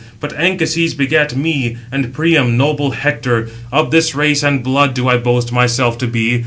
But Anchises begat me, and Priam noble Hector. Of this race and blood do I boast myself to be.